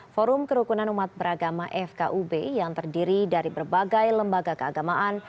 forum kerukunan umat beragama fkub yang terdiri dari berbagai lembaga keagamaan